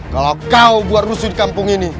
kalau kau buat rusuh di kampung